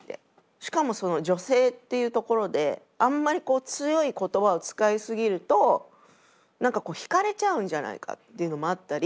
しかもその女性っていうところであんまり強い言葉を使いすぎると何かこう引かれちゃうんじゃないかっていうのもあったり。